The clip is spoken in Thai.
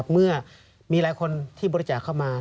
เมื่อมีหลายคนที่บริจาคเข้ามา